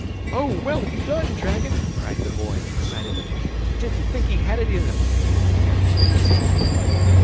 "Oh, well done, dragon!" cried the Boy, excitedly. "Didn't think he had it in him!" he added to himself.